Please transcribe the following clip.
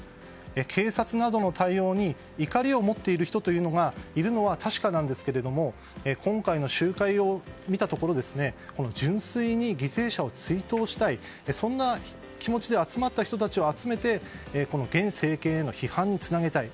警察などの対応に怒りを持っている人というのがいるのは確かなんですけど今回の集会を見たところ純粋に犠牲者を追悼したいという気持ちで集まった人たちを集めてこの現政権への批判につなげたい。